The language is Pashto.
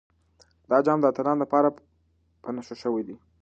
دا جام د اتلانو لپاره په نښه شوی دی.